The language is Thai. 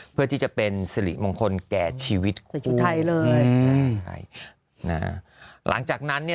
เพื่อที่จะเป็นศรีมงคลแก่ชีวิตคู่ใส่ชุดไทยเลยใช่น่าหลังจากนั้นเนี่ย